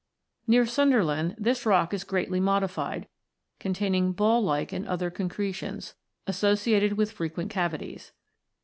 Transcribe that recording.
Near Sunderland, this rock is greatly modified, containing ball like and other concretions, associated with frequent cavities.